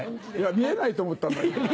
見えないと思ったんだけど。